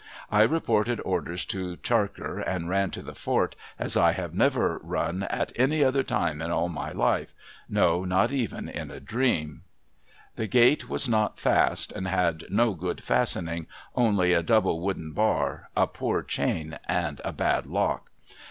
I reported orders to Charker, and ran to the Fort, as I have never run at any other time in all my life : no, not even in a dream. The gate was not fast, and had no good fastening : only a double wooden bar, a poor chain, and a bad lock.